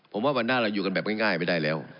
ผมว่าวันหน้าเราอยู่กันแบบง่ายไม่ได้แล้ว